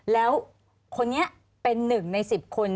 แล้วคนนี้เป็นหนึ่งใน๑๐คน